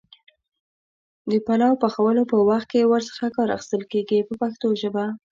د پلو پخولو په وخت کې ور څخه کار اخیستل کېږي په پښتو ژبه.